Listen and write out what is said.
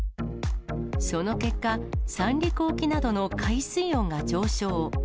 その結果、三陸沖などの海水温が上昇。